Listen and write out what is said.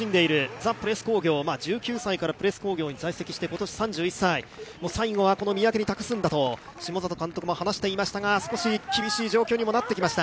ザ・プレス工業、１９歳からプレス工業に在籍して今年３１歳、最後はこの三宅に託すんだと下里監督も話していましたが、厳しい状況になってきました。